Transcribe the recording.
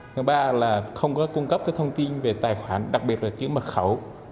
thứ ba là không có cung cấp cái thông tin về tài khoản đặc biệt là kiếm mật khẩu